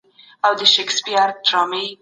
لويه جرګه به د ملي ورځو د نمانځلو پرېکړي کوي.